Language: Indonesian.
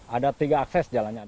ada tiga akses jalannya